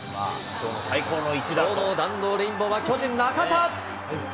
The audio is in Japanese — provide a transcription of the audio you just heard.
きょうの弾道レインボーは巨人、中田。